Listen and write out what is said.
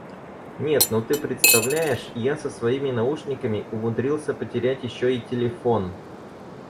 Нет, ну ты представляешь, я со своими наушниками умудрился потерять ещё и телефон!